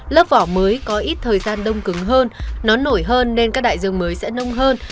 lớp vỏ mới có ít thời gian đông cứng hơn nó nổi hơn nên các đại dương mới sẽ nông hơn